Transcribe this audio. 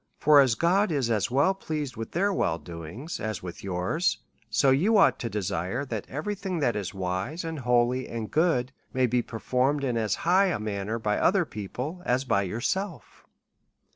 For as (iod is as well pleased with their wellrdo ings, as with yours ; so you ought to desire, that every thing* that is wise, and holy, and good, may be per foruked in as high a manner by other people, as by yourself.